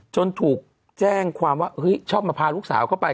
ถูกแจ้งความว่าเฮ้ยชอบมาพาลูกสาวเข้าไป